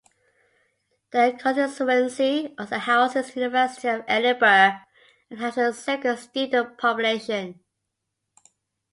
The constituency also houses the University of Edinburgh and has a significant student population.